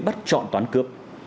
bắt chọn toán cướp